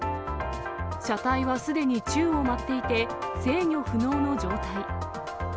車体はすでに宙を舞っていて、制御不能の状態。